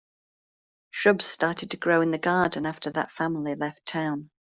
Shrubs started to grow in the garden after that family left town.